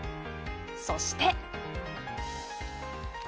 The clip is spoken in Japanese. そして。